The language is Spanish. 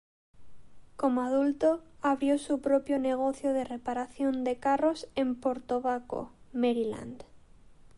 Como adulto, abrió su propio negocio de reparación de carros en Port Tobacco, Maryland.